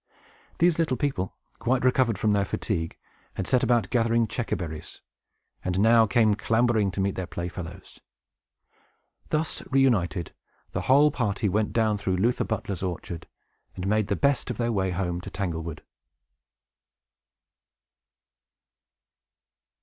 These little people, quite recovered from their fatigue, had set about gathering checkerberries, and now came clambering to meet their playfellows. Thus reunited, the whole party went down through Luther Butler's orchard, and made the best of their way home to Tanglewood.